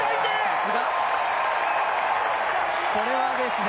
さすがこれはですね